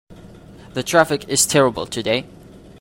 The traffic is terrible today.